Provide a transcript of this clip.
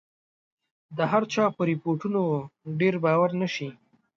د هرچا په رپوټونو ډېر باور نه شي.